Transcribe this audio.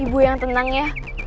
ibu yang tenang ya